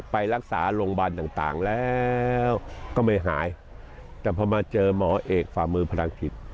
ไปรักษาโรงพยาบาลต่างแล้วก็ไม่หายแต่พอมาเจอหมอเอกฝ่ามือพลังจิต